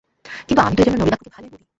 কিন্তু আমি তো এজন্য নলিনাক্ষকে ভালোই বলি।